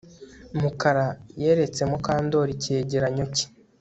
Mukara yeretse Mukandoli icyegeranyo cye